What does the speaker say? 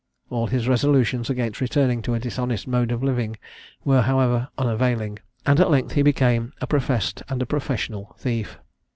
All his resolutions against returning to a dishonest mode of living were however unavailing, and at length he became a professed and a professional thief.